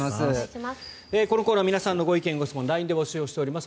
このコーナー皆さんのご意見・ご質問をＬＩＮＥで募集しております。